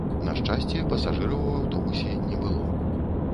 На шчасце, пасажыраў у аўтобусе не было.